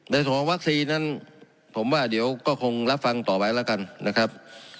ในส่วนของวัคซีนนั้นผมว่าเดี๋ยวก็คงรับฟังต่อไปแล้วกันนะครับ